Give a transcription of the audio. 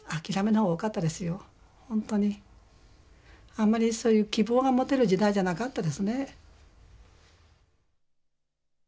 あんまりそういう希望が持てる時代じゃなかったですね。